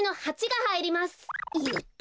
よっと。